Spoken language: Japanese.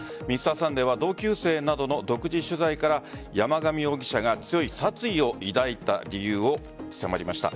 「Ｍｒ．サンデー」は同級生などの独自取材から山上容疑者が強い殺意を抱いた理由に迫りました。